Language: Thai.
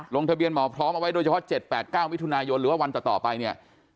ลงทะเบียนหมอพร้อมเอาไว้โดยเฉพาะ๗๘๙มิถุนายนหรือว่าวันต่อไปเนี่ย